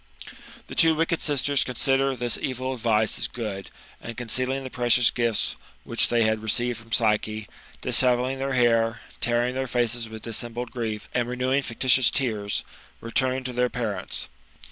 The two wicked sisters consider this evil advice as good, and concealing the precious gifts which they had received from Psyche, dishevelling their hair, tearing their faces with dis sembled grief, and renewing fictitious tears, returned to their parents.